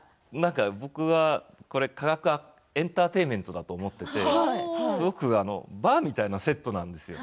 僕はこれ科学エンターテインメントだと思っていてバーみたいなセットなんです。